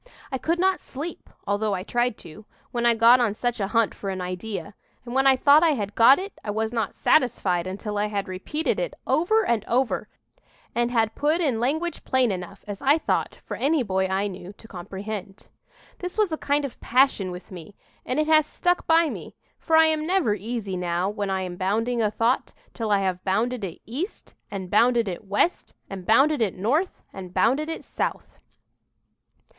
"I could not sleep, although I tried to, when I got on such a hunt for an idea; and when I thought I had got it, I was not satisfied until I had repeated it over and over, and had put in language plain enough, as I thought, for any boy I knew to comprehend. "This was a kind of a passion with me, and it has stuck by me; for I am never easy now when I am bounding a thought, till I have bounded it east, and bounded it west, and bounded it north, and bounded it south."